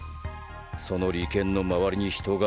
その利権の周りに人が集まる。